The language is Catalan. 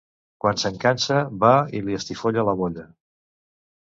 Quan se'n cansa, va i li estifolla la bolla.